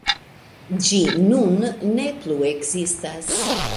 Ĝi nun ne plu ekzistas.